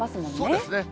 そうですね。